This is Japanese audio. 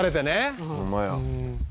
「ホンマや」